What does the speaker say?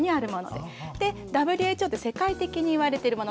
でＷＨＯって世界的にいわれてるもの